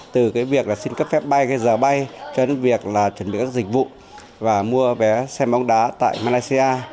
từ việc xin cấp phép bay giờ bay cho đến việc chuẩn bị các dịch vụ và mua vé xe bóng đá tại malaysia